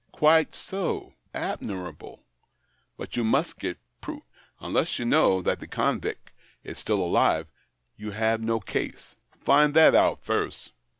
" Quite so ! Admirable ! But you must get proof. Unless you know that the convict is still alive, you have no case. Find that out first.